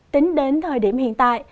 tính đến thời điểm hiện tại